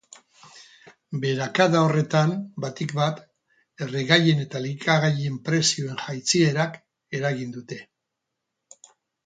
Beherakada horretan, batik bat, erregaien eta elikagaien prezioen jaitsierak eragin dute.